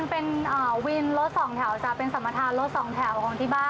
เธอไม่เคยนั่งเดี๋ยวฉันจะพาเธอมานั่งนะ